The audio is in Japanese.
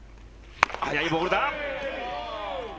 速いボールだ。